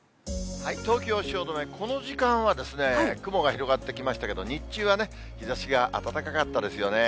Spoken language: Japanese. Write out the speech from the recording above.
東京・汐留、この時間は雲が広がってきましたけれども、日中はね、日ざしが暖かかったですよね。